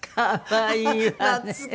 はい。